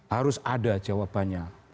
harus ada jawabannya